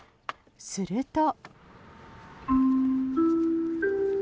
すると。